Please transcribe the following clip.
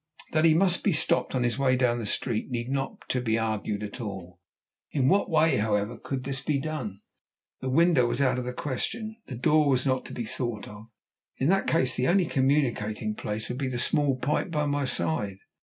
That he must be stopped on his way down the street need not to be argued at all. In what way, however, could this be done? The window was out of the question, the door was not to be thought of; in that case the only communicating place would be the small pipe by my side.